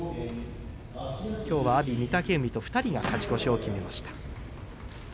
きょうは、阿炎御嶽海と２人が勝ち越しを決めました。